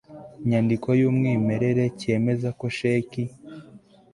nyandiko y umwimerere cyemeza ko sheki